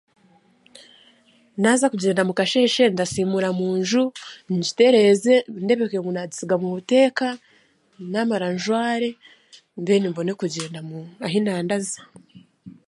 Naaza kugyenda mu kasheeshe ndasiimuura mu nju, ngitereeze, ndebeke ngu naagisiga mu buteeka, naamara njware, mbwenu mbone kugyenda mu ahi naandaza.